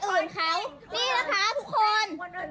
ดูไร้ไร้เลยนะคะไม่ได้จอดหน้าบ้านเขาด้วยเนาะ